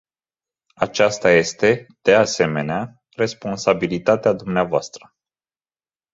Aceasta este, de asemenea, responsabilitatea dvs.